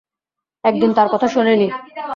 একদিন তার কথা শোনেনি।